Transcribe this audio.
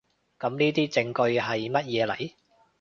噉呢啲證據喺乜嘢嚟？